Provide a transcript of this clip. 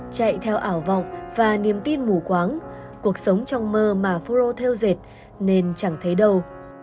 chạy theo ảo vọng và niềm tin mù quáng cuộc sống trong mơ mà phuro theo dệt nên chẳng thấy đâu